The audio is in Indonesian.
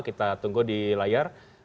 kita tunggu di layar